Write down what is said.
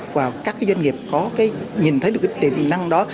và các doanh nghiệp có nhìn thấy được tiềm năng đó